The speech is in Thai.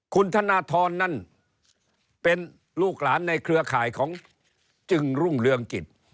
คุณธนทรนั่นเป็นลูกหลานในเครือข่ายของจึงรุ่งเรืองกิจ